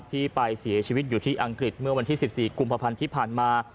ที่ไปเสียชีวิตอยู่ที่อังกฤษเมื่อวันที่๑๔กุมภาพันธ์ที่ผ่านมา